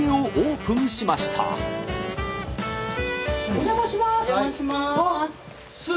お邪魔します。